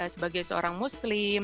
sebagai seorang muslim